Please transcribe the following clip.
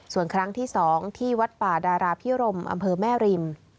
ส่วนครั้งที่สองที่ดาราภิรมอำเภอแม่ริม